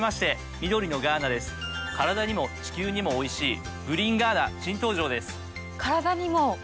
カラダにも地球にもおいしいグリーンガーナ新登場です。